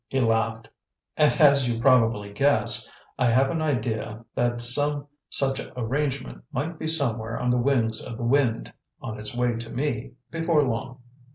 He laughed. "And as you probably guess, I have an idea that some such arrangement might be somewhere on the wings of the wind on its way to me, before long."